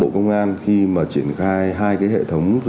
bộ công an khi mà triển khai hai cái hệ thống dữ liệu